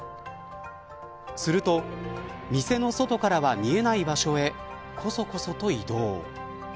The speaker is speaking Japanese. すると、店の外からは見えない場所へこそこそと移動。